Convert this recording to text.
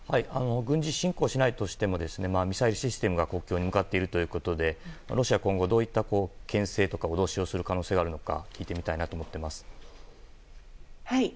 軍事侵攻しないとしてもミサイルシステムが国境に向かっているということでロシアは今後どういった牽制とか脅しをする可能性があるのか